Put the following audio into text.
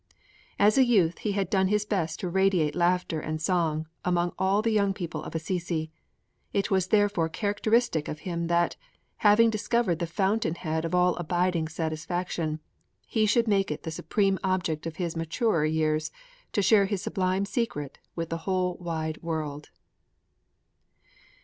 As a youth he had done his best to radiate laughter and song among all the young people of Assisi; it was therefore characteristic of him that, having discovered the fountain head of all abiding satisfaction, he should make it the supreme object of his maturer years to share his sublime secret with the whole wide world.